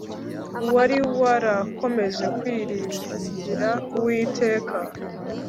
Uwari warakomeje kwiringira Uwiteka